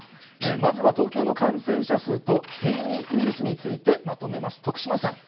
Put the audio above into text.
まずは、東京の感染者数と変異ウイルスについてまとめます。